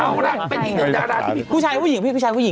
เอาล่ะเป็นอีกหนึ่งดาราที่มีผู้ชายผู้หญิงพี่ผู้ชายผู้หญิง